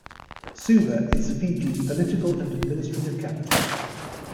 Suva is Fiji's political and administrative capital.